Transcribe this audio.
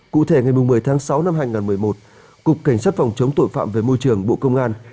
cụ thể ngày một mươi tháng sáu năm hai nghìn một mươi một cục cảnh sát phòng chống tội phạm về môi trường bộ công an